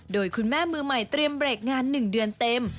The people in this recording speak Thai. โดยคุณแม่มือใหม่เตรียมเบรกงาน๑เดือนเต็ม